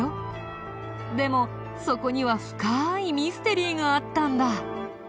でもそこには深いミステリーがあったんだ。